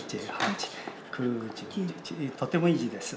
とてもいい字です。